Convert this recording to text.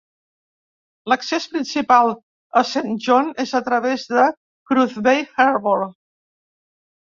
L"accés principal a Saint John és a través de Cruz Bay Harbor.